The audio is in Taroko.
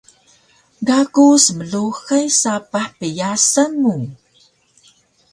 Ga ku smluhay sapah pyasan mu